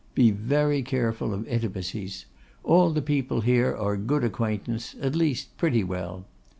Be very careful of intimacies. All the people here are good acquaintance; at least pretty well.